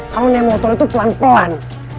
kalau nemotor itu pelan pelan